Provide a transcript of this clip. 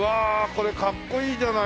これかっこいいじゃない！